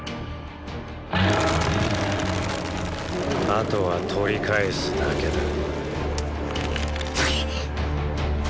あとは取り返すだけだ。